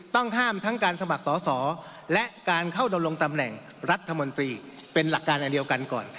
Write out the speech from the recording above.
ต้องห้ามทั้งการสมัครสอสอและการเข้าดำรงตำแหน่งรัฐมนตรีเป็นหลักการอันเดียวกันก่อน